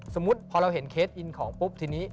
สมมุติพอเราเห็นเคสอินของปุ๊บทีนี้